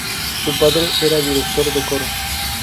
Su padre era director de coro.